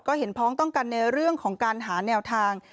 ก็เห็นพ้องต้องกันในเรื่องของการหาแนวทาง